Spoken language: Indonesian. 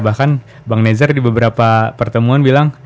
bahkan bang nezer di beberapa pertemuan bilang